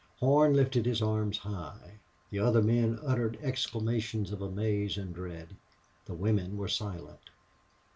Horn lifted his arms high. The other men uttered exclamations of amaze and dread. The women were silent.